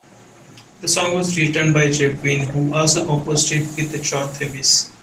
The song was written by Javine, who also composed it with John Themis.